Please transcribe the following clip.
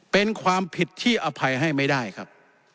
เป็นความผิดที่อภัยให้ไม่ได้ครับ